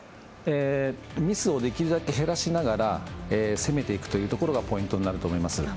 ミスをできるだけ減らしながら攻めていくというところがポイントになると思います。